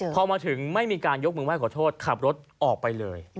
พอมาถึงไม่มีการยกมือไห้ขอโทษขับรถออกไปเลย